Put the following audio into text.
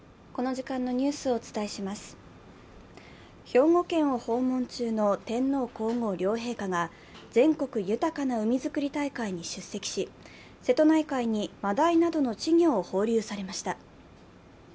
兵庫県を訪問中の天皇皇后両陛下が、全国豊かな海づくり大会に出席し、瀬戸内海にマダイなどの稚魚を放流されました。